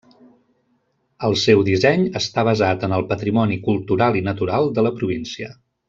El seu disseny està basat en el patrimoni cultural i natural de la província.